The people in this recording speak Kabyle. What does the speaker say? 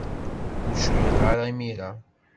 Ur cɣileɣ ara imir-a.